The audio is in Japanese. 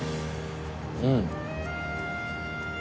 うん。